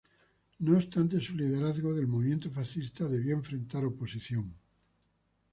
No obstante su liderazgo del movimiento fascista debió enfrentar oposición.